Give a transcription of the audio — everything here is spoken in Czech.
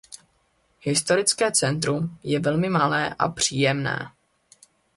Historické centrum je velmi malé a příjemné.